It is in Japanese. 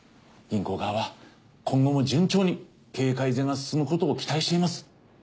銀行側は今後も順調に経営改善が進むことを期待しています。